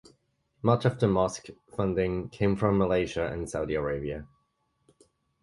Much of the mosque funding came from Malaysia and Saudi Arabia.